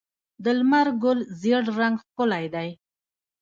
د لمر ګل ژیړ رنګ ښکلی دی.